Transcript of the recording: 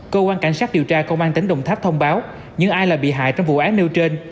cơ quan cảnh sát điều tra công an tỉnh đồng tháp thông báo những ai là bị hại trong vụ án nêu trên